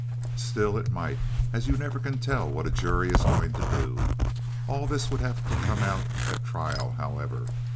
Still, it might; you never can tell what a jury is going to do. All this would have to come out at a trial, however.